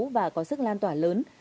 và có sức lan tỏa lớn